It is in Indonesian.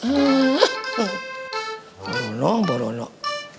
orang orang baru enak